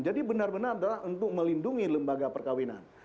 jadi benar benar adalah untuk melindungi lembaga perkawinan